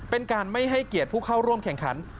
เป็นการไม่ให้เกียรติผู้เข้าร่วมแข่งขัน